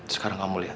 sekarang kamu lihat